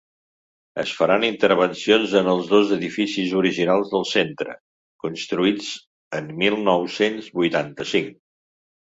Es faran intervencions en els dos edificis originals del centre, construïts en mil nou-cents vuitanta-cinc.